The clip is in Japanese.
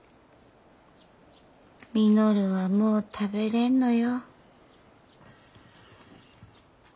稔はもう食べれんのよ。